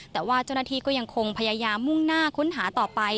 แต่ว่าเจ้าหน้าที่ก็ยังคงพยายามมุ่งหน้าค้นหาต่อไป